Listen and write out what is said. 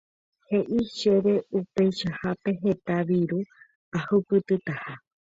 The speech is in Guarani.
He'i chéve upeichahápe heta viru ahupytytaha.